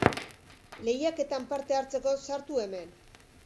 Lehiaketan parte hartzeko sartu hemen.